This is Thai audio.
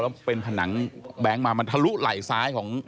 แล้วเป็นผนังแบงค์มามันทะลุไหล่ซ้ายของ